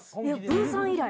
ブーさん以来！？